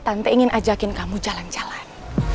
tante ingin ajakin kamu jalan jalan